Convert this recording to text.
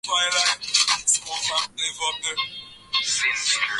wazee katika jamii ya kimasai huamini kuwa ngoma hizi zitatatua matatizo ya uzazi